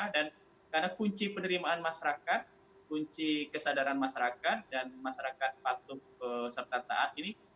dan karena kunci penerimaan masyarakat kunci kesadaran masyarakat dan masyarakat patuh serta taat ini